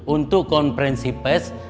untuk konferensi pes